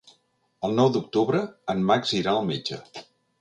El nou d'octubre en Max irà al metge.